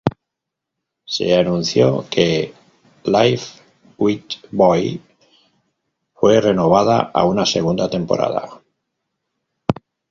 Se anunció que "Life with Boys" fue renovada a una segunda temporada.